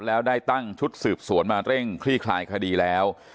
แล้วได้ตั้งชุดสืบสวนมาเร่งคลี่คลายคดีแล้ว